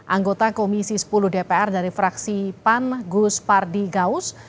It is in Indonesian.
anggota komisi sepuluh dpr dari fraksi pan gus pardi gaus